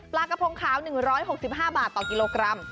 ปลากระพงขาว๑๖๕บาทต่อกิโลกรัม